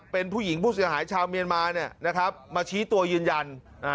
เป็นผู้หญิงผู้เสียหายชาวเมียนมามาชี้ตัวยืนยัน